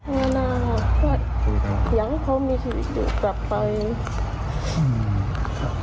เมื่อนานก็ยังเขามีชีวิตอยู่กลับไป